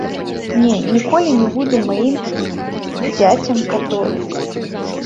Не, ніколі не будзе маім зяцем католік.